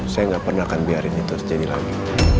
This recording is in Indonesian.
saya nggak pernah akan biarin itu terjadi lagi